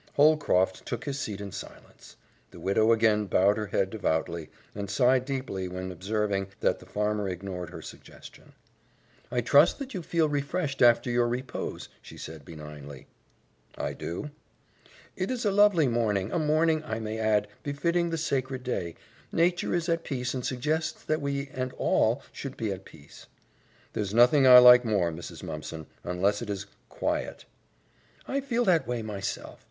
Holcroft took his seat in silence. The widow again bowed her head devoutly, and sighed deeply when observing that the farmer ignored her suggestion. "I trust that you feel refreshed after your repose," she said benignly. "I do." "It is a lovely morning a morning, I may add, befitting the sacred day. Nature is at peace and suggests that we and all should be at peace." "There's nothing I like more, Mrs. Mumpson, unless it is quiet." "I feel that way, myself.